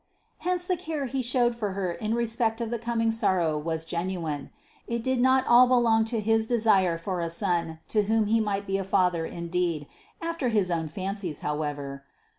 Hence the care he showed for her in respect of the coming sorrow was genuine; it did not all belong to his desire for a son to whom he might be a father indeed after his own fancies, however.